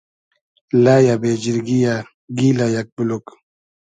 لئیۂ ، بې جیرگی یۂ ، گیلۂ یئگ بولوگ